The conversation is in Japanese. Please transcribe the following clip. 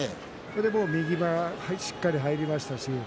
もう右はしっかり入りましたし